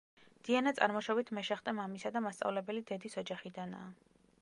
დიანა წარმოშობით მეშახტე მამისა და მასწავლებელი დედის ოჯახიდანაა.